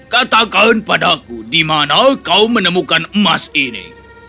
katakan padaku di mana kau menemukan emas ini